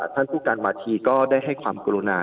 ท่านผู้การวาธีก็ได้ให้ความกรุณา